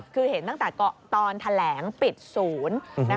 คือเห็นตั้งแต่ตอนแถลงปิดศูนย์